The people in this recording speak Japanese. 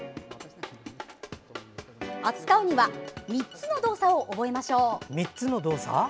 扱うには３つの動作を覚えましょう。